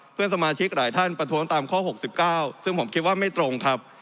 เพื่อนสมาชิกหลายท่านประท้วงตามข้อ๖๙ซึ่งผมคิดว่าไม่ตรงครับ